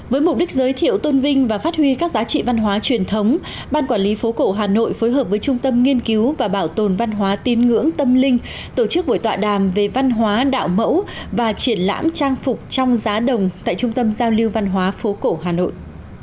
với mục đích giới thiệu tôn vinh và phát huy các giá trị văn hóa truyền thống ban quản lý phố cổ hà nội phối hợp với trung tâm nghiên cứu và bảo tồn văn hóa tin ngưỡng tâm linh tổ chức buổi tọa đàm về văn hóa đạo mẫu và triển lãm trang phục trong giá đồng tại trung tâm giao lưu văn hóa phố cổ hà nội